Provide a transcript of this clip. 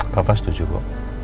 papa setuju bu